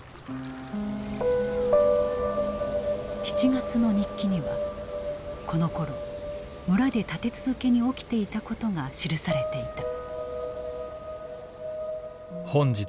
７月の日記にはこのころ村で立て続けに起きていたことが記されていた。